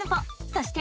そして。